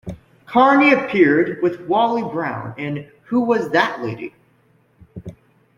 Carney appeared with Wally Brown in Who Was That Lady?